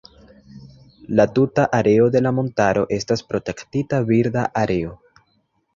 La tuta areo de la montaro estas Protektita birda areo.